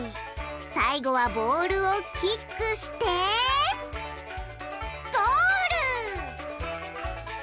最後はボールをキックしてゴール！